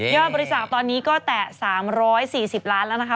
บริจาคตอนนี้ก็แตะ๓๔๐ล้านแล้วนะคะ